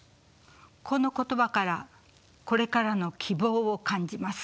この言葉からこれからの希望を感じます。